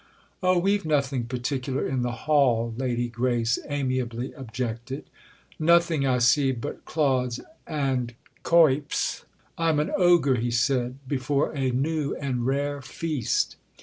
"Oh, we've nothing particular in the hall," Lady Grace amiably objected. "Nothing, I see, but Claudes and Cuyps! I'm an ogre," he said—"before a new and rare feast!"